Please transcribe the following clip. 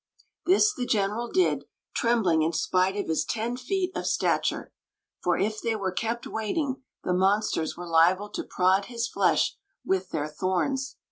This the general did, trembling in spite of his ten feet of stature ; for if they were kept waiting the mon sters were liable to prod his flesh with their thorns.